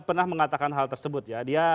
pernah mengatakan hal tersebut ya dia